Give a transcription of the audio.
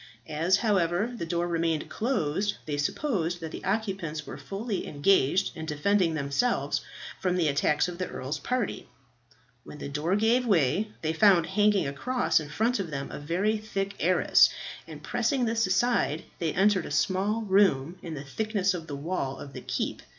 As, however, the door remained closed, they supposed that the occupants were fully engaged in defending themselves from the attacks of the earl's party. When the door gave way, they found hanging across in front of them a very thick arras, and pressing this aside they entered a small room in the thickness of the wall of the keep.